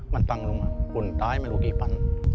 มันฟังลงคนตายไม่รู้กี่ฟัน